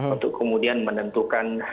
untuk kemudian menentukan